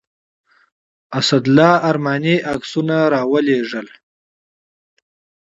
اسدالله ارماني عکسونه راولېږل.